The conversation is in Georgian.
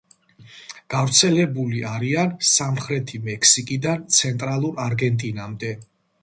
გავრცელებული არიან სამხრეთი მექსიკიდან ცენტრალურ არგენტინამდე.